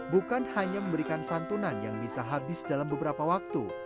bukan hanya memberikan santunan yang bisa habis dalam beberapa waktu